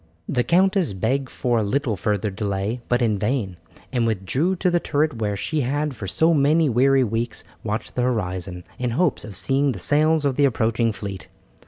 The countess begged for a little further delay, but in vain, and withdrew to the turret where she had for so many weary weeks watched the horizon, in hopes of seeing the sails of the approaching fleet.